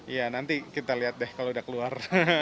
iya nanti kita lihat deh kalau udah keluar